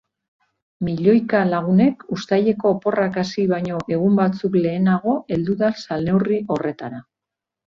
Milioika lagunek uztaileko oporrak hasi baino egun batzuk lehenago heldu da salneurri horretara.